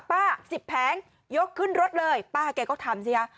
ป้า๑๐แพงยกขึ้นรถเลยป้าแกก็ทำสิ